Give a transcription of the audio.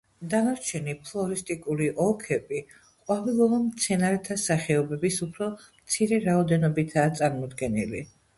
დანარჩენი ფლორისტიკული ოლქები ყვავილოვან მცენარეთა სახეობების უფრო მცირე რაოდენობითაა წარმოდგენილი.